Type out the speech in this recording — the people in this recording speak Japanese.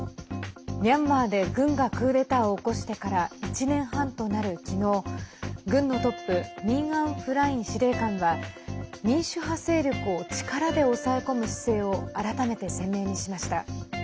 ミャンマーで軍がクーデターを起こしてから１年半となる昨日軍のトップミン・アウン・フライン司令官は民主派勢力を力で抑え込む姿勢を改めて鮮明にしました。